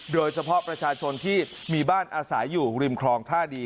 โดยเฉพาะประชาชนที่มีบ้านอาศัยอยู่ริมคลองท่าดี